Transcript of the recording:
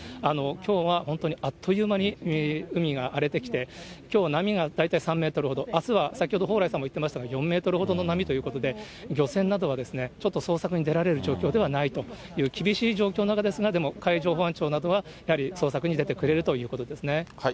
きょうは本当にあっという間に海が荒れてきて、きょう、波が大体３メートルほど、あすは先ほど蓬莱さんも言っていましたが、４メートルほどの波ということで、漁船などは、ちょっと捜索に出られる状況ではないという厳しい状況の中ですが、でも海上保安庁などは、やはり捜索に出てくれるということですね。